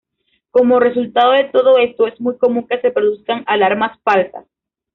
Como resultado de todo esto, es muy común que se produzcan alarmas falsas.